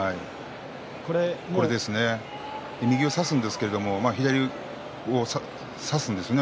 右を差すんですけれども左を差すんですね